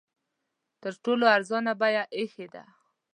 تر ټولو ارزانه بیه ایښې ده.